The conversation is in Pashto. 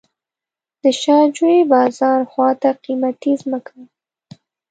د شاه جوی بازار خواته قیمتي ځمکه وه.